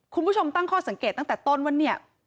คุณผู้ชมตั้งข้อสังเกตตั้งแต่ต้นว่าเนี่ย